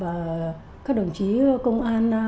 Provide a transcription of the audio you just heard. gặp các đồng chí công an